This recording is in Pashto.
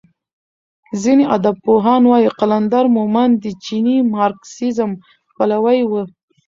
ځینې ادبپوهان وايي قلندر مومند د چیني مارکسیزم پلوی و.